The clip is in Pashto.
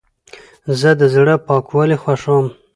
زه د زړه پاکوالی خوښوم.